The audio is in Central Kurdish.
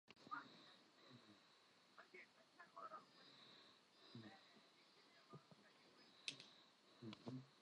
لە کۆندا بە کوردی بە جێ دەگوترا گەه یا جەه